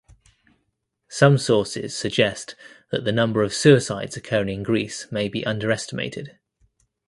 Some sources suggest that the number of suicides occurring in Greece may be underestimated.